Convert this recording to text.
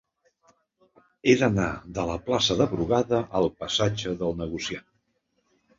He d'anar de la plaça de Brugada al passatge del Negociant.